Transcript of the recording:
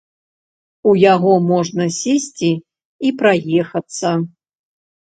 У яго можна сесці і праехацца.